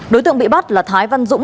đối tượng bị bắt là thái văn dũng